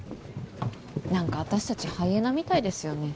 何か私たちハイエナみたいですよね。